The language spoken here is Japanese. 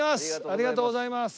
ありがとうございます。